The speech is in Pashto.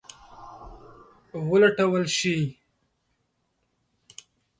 ولټول شي.